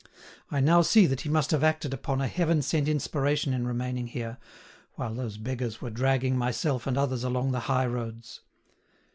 I now see that he must have acted upon a heaven sent inspiration in remaining here, while those beggars were dragging myself and others along the high roads.